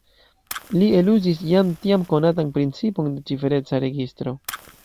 Li eluzis jam tiam konatan principon de cifereca registro.